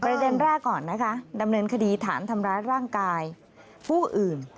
ประเด็นแรกก่อนนะคะดำเนินคดีฐานทำร้ายร่างกายผู้อื่น